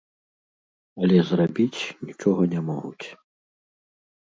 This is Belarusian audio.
Але зрабіць нічога не могуць.